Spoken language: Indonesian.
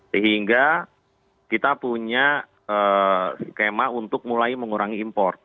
sehingga kita punya skema untuk mulai mengurangi impor